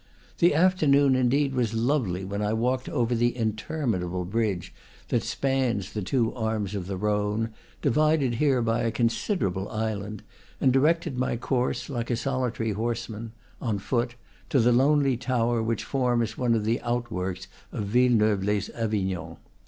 The afternoon, indeed, was lovely when I walked over the interminable bridge that spans the two arms of the Rhone, divided here by a considerable island, and directed my course, like a solitary horseman on foot, to the lonely tower which forms one of the outworks of Villeneuve les Avignon.